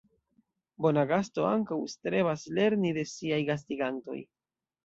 Bona gasto ankaŭ strebas lerni de siaj gastigantoj.